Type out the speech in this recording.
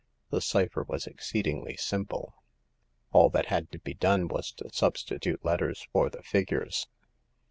The cypher was exceedingly simple. All that had to be done was to substitute letters for the figures.